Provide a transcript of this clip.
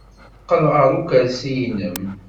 Qqel ɣer ukersi-nnem.